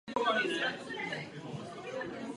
Teoreticky může každý uživatel tuto možnost zakázat.